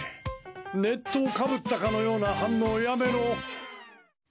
熱湯かぶったかのような反応やめろ。